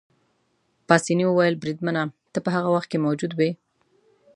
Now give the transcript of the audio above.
پاسیني وویل: بریدمنه، ته په هغه وخت کې موجود وې؟